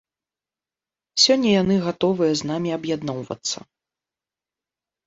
Сёння яны гатовыя з намі аб'ядноўвацца.